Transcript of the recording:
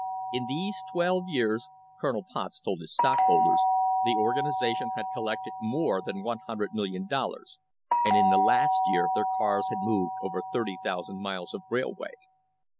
In these twelve years, Colonel Potts told his stockholders, the organi sation had collected more than one hundred million dollars, and in the last year their cars had moved over 30,000 miles of railway.